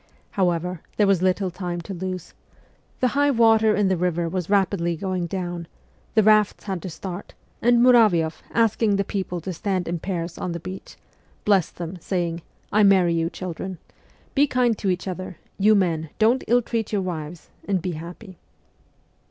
However, there was little time to lose ; the high water in the river was rapidly going down, the rafts had to start, and Muravioff, asking the people to stand in pairs on the beach, blessed them, saying :' I marry you, children. Be kind to each other ; you men, don't ill treat your wives and be happy